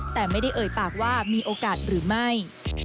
แต่ไม่ได้เอ่ยปากว่ามีโอกาสหรือไม่